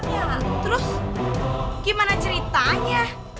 yang baca ceritanya